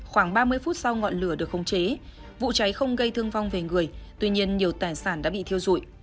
khoảng ba mươi phút sau ngọn lửa được khống chế vụ cháy không gây thương vong về người tuy nhiên nhiều tài sản đã bị thiêu dụi